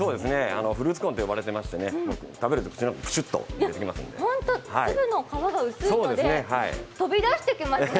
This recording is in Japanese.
フルーツコーンと言われてまして食べると口の中にプチュッと出てきます。